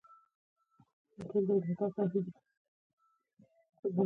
صبر د ستونزو پر وړاندې ځواک دی.